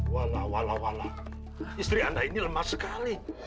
walau walau istri anda ini lemah sekali